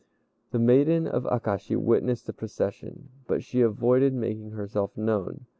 The maiden of Akashi witnessed the procession, but she avoided making herself known.